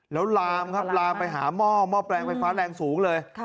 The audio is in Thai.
แล้วลามไปหาหม้อหม้อแปลงไฟฟ้าแรงสูงเลย